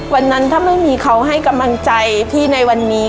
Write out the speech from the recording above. วันนั้นถ้าไม่มีเขาให้กำลังใจพี่ในวันนี้